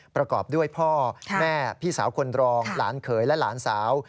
ประกอบด้วยพ่อแม่พี่สาวคนรองหลานเขยและหลานสาว